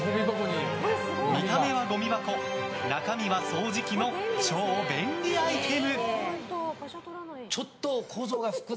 見た目はごみ箱中身は掃除機の超便利アイテム。